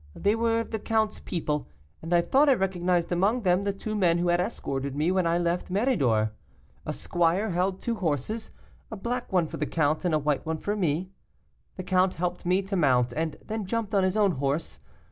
They were the count's people, and I thought I recognized among them the two men who had escorted me when I left Méridor. A squire held two horses, a black one for the count and a white one for me. The count helped me to mount, and then jumped on his own horse.